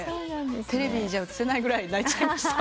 テレビじゃ映せないぐらい泣いちゃいました。